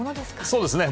そうですね。